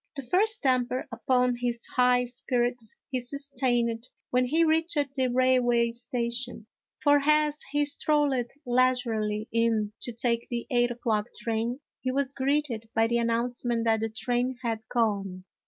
The first damper upon his high spirits he sus tained when he reached the railway station, for as he strolled leisurely in to take the eight o'clock train, he was greeted by the announcement that the train had gone.